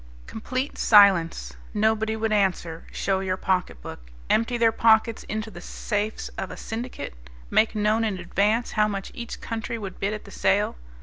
Complete silence. Nobody would answer, show your pocketbook. Empty their pockets into the safes of a syndicate. Make known in advance how much each country would bid at the sale.